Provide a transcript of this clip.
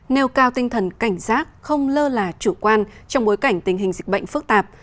nêu cao tinh thần cảnh giác không lơ là chủ quan trong bối cảnh tình hình dịch bệnh phức tạp